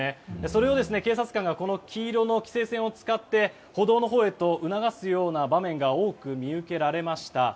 それを警察官が黄色の規制線を使って歩道のほうへと促すような場面が多く見受けられました。